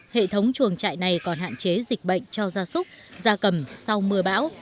hệ thống chuồng trại này còn hạn chế dịch bệnh cho gia súc gia cầm sau mưa bão